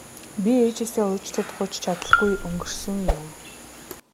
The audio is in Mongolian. Би ээжээсээ уучлалт гуйж чадалгүй өнгөрсөн юм.